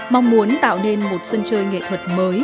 mong muốn tạo nên một sân chơi nghệ thuật mới